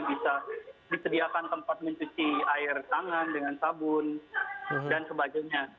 bisa disediakan tempat mencuci air tangan dengan sabun dan sebagainya